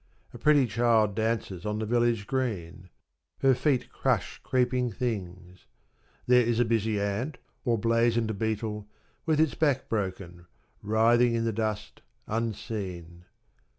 A pretty child dances on the village green. Her feet crush creeping things: there is a busy ant or blazoned beetle, with its back broken, writhing in the dust, unseen.